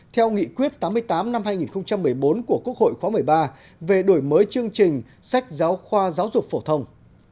theo nghị quyết tám mươi tám năm hai nghìn một mươi bốn của quốc hội khóa một mươi ba về đổi mới chương trình sách giáo khoa giáo dục phổ thông